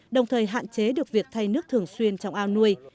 đồng thời hạn chế được việc thay nước thường xuyên trong ao nuôi